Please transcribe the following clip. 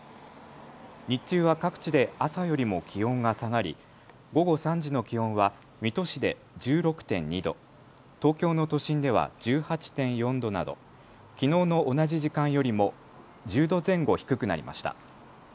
日中は各地で朝よりも気温が下がり午後３時の気温は水戸市で１６．２度、東京の都心では１８．４度などきのうの同じ時間よりも１０度前後低くなりました。